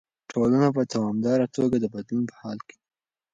ټولنه په دوامداره توګه د بدلون په حال کې ده.